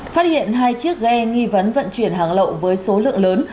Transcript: phát hiện hai chiếc ghe nghi vấn vận chuyển hàng lậu với số lượng lớn